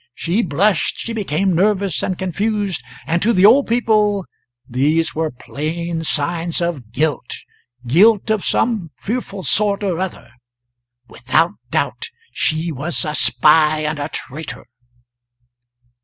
She blushed, she became nervous and confused, and to the old people these were plain signs of guilt guilt of some fearful sort or other without doubt she was a spy and a traitor.